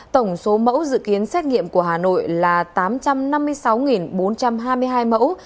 tổng số mẫu dự kiến xét nghiệm của hà nội là tám trăm năm mươi sáu bốn trăm hai mươi hai mẫu